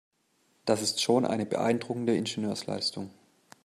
Das ist schon eine beeindruckende Ingenieursleistung.